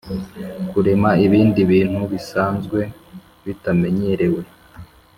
kurema ibindi bintu bisanzwe bitamenyerewe